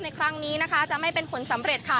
ในครั้งนี้นะคะจะไม่เป็นผลสำเร็จค่ะ